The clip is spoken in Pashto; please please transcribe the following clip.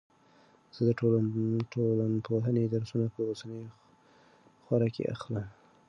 زه د ټولنپوهنې درسونه په اوسنۍ خوره کې اخلم.